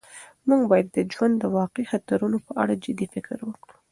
موږ باید د ژوند د واقعي خطرونو په اړه جدي فکر وکړو.